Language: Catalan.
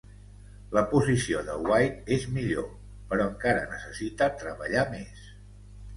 La posició de White és millor, però encara necessita treballar més.